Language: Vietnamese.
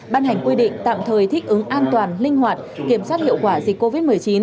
ban hành quy định tạm thời thích ứng an toàn linh hoạt kiểm soát hiệu quả dịch covid một mươi chín